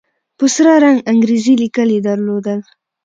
په سره رنگ انګريزي ليکل يې درلودل.